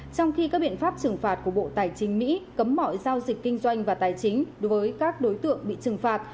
trong khi các biện pháp trừng phạt của bộ tài chính mỹ cấm mọi giao dịch kinh doanh và tài chính đối với các đối tượng bị trừng phạt